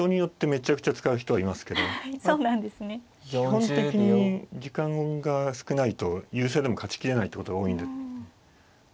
基本的に時間が少ないと優勢でも勝ち切れないってことが多いんで。